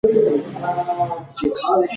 قاضيان يې پر ايماندارۍ ټاکل.